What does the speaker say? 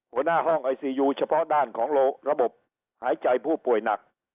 หัวหน้าห้องไอซียูเฉพาะด้านของระบบหายใจผู้ป่วยหนัก